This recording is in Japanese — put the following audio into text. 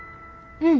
うん。